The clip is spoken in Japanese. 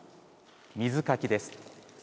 水かきです。